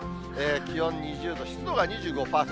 気温２０度、湿度が２５％。